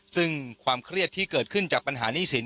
ซึ่งความเครียดที่เกิดขึ้นจากปัญหาหนี้สิน